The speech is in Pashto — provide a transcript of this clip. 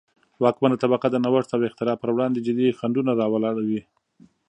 واکمنه طبقه د نوښت او اختراع پروړاندې جدي خنډونه را ولاړوي.